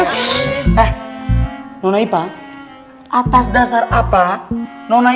coba udah gangrolin